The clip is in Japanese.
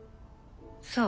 そう。